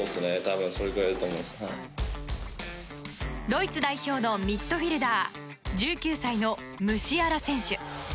ドイツ代表のミッドフィールダー１９歳のムシアラ選手。